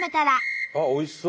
あっおいしそう。